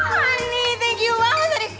honey thank you banget eh